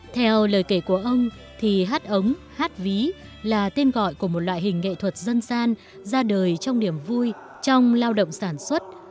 theo lời kể của ông thì hát ống hát ví là tên gọi của một loại hình nghệ thuật dân gian ra đời trong niềm vui trong lao động sản xuất